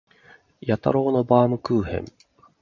治一郎のバームクーヘン